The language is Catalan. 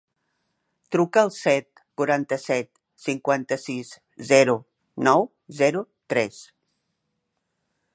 Truca al set, quaranta-set, cinquanta-sis, zero, nou, zero, tres.